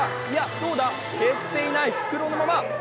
いや、どうだ、減っていない、袋のまま。